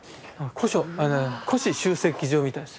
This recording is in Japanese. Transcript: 古紙集積所みたいです。